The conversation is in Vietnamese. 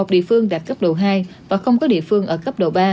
một mươi một địa phương đạt cấp độ hai và không có địa phương ở cấp độ ba